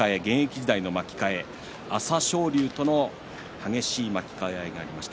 現役時代は朝青龍との激しい巻き替えがありました。